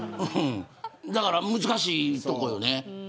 だから難しいところよね。